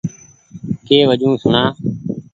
ڪي وجون سوڻا ۔